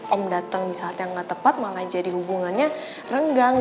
om datang di saat yang nggak tepat malah jadi hubungannya renggang